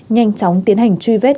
nhanh chóng tiến hành truy vết